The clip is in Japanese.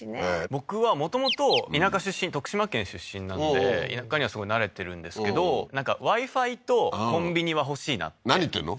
僕はもともと田舎出身徳島県出身なので田舎にはすごい慣れてるんですけどなんかＷｉ−Ｆｉとコンビニは欲しいなって何言ってんの？